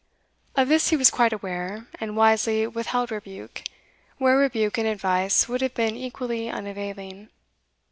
Of this he was quite aware, and wisely withheld rebuke, where rebuke and advice would have been equally unavailing.